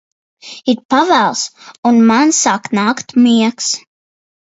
Ir pavēls, un man sāk nākt miegs.